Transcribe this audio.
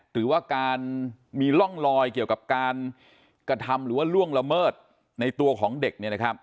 หรือว่าการมีร่องลอยเกี่ยวกับการกระทำหรือว่าล่วงละเมิดในตัวของเด็ก